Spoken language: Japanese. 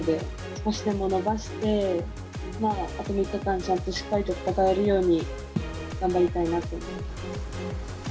少しでも伸ばして、あと３日間、ちゃんとしっかりと戦えるように、頑張りたいなと思います。